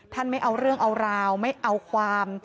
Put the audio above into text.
ไม่เอาเรื่องเอาราวไม่เอาความ